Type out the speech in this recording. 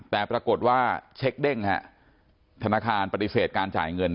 แต่ปรากฏว่าเช็คเด้งฮะธนาคารปฏิเสธการจ่ายเงิน